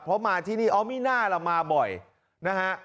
เพราะมาที่นี่ออมิน่าล่ะมาบ่อยนะฮะ